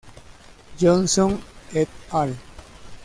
Johnson et al.